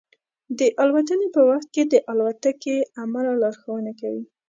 د الوتنې په وخت کې د الوتکې عمله لارښوونه کوي.